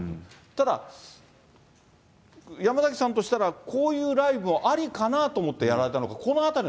ただ、山崎さんとしたら、こういうライブもありかなと思ってやられたの